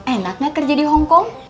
enak gak kerja di hongkong